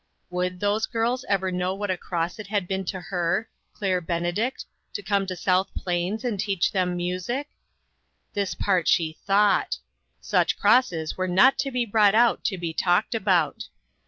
Would those girls ever know what a cross it had been to her, Claire Benedict, to come to South Plains and teach them music? 122 INTERRUPTED. This part she thought. Such crosses were not to be brought out to be talked about.